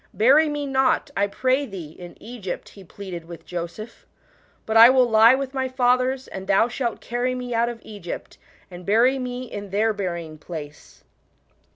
" Bury me not, I pray thee, in Egypt," he pleaded wi+h Joseph :" but I will lie with my fathers, and thou shalt carry me out .of Egypt, and bury me in their bury ing place.'